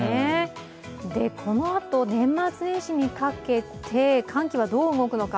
このあと、年末年始にかけて寒気はどう動くのか。